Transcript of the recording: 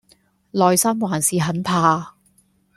內心還是很怕